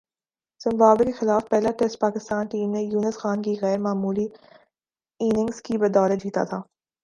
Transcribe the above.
Zimbabwe کے خلاف پہلا ٹیسٹ پاکستانی ٹیم نے یونس خان کی غیر معمولی اننگز کی بدولت جیتا تھا